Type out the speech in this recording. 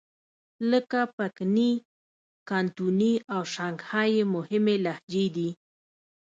لکه پکني، کانتوني او شانګهای یې مهمې لهجې دي.